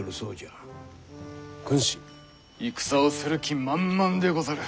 戦をする気満々でござる。